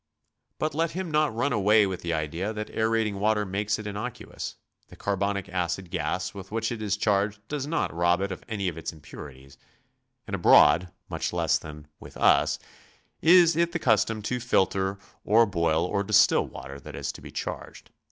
But let him not run away with the idea that aerating water makes it innocuous; the carbonic acid gas with which k is charged does not rob it of any of its impuri'lies, and abroad much less than with us is it the cus tom to filter or boil 'or distill water that is to be charged.